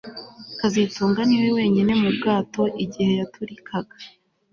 kazitunga niwe wenyine mu bwato igihe yaturikaga